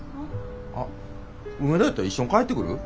あっ梅田やったら一緒に帰ってくる？